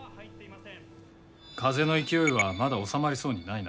風の勢いはまだ収まりそうにないな。